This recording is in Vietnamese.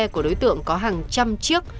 của đối tượng có hàng trăm chiếc